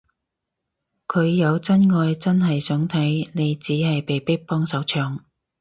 佢有真愛真係想睇，你只係被逼幫手搶